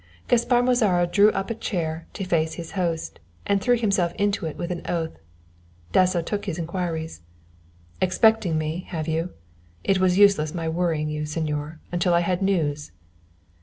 Gaspar Mozara drew a chair up to face his host, and threw himself into it with an oath. Dasso looked his inquiries. "Expecting me, have you? It was useless my worrying you, señor, until I had news."